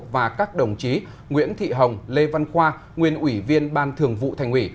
và các đồng chí nguyễn thị hồng lê văn khoa nguyên ủy viên ban thường vụ thành ủy